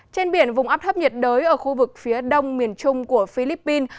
trên biển vùng áp thấp nhiệt đới ở khu vực phía đông miền trung của philippines